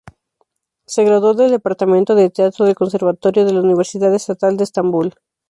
Se graduó del departamento de teatro del Conservatorio de la Universidad Estatal de Estambul.